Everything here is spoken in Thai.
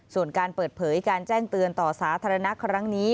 ส่วนการเปิดเผยการแจ้งเตือนต่อสาธารณะครั้งนี้